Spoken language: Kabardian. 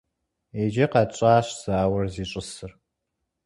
Иджы къэтщӀащ зауэр зищӀысыр.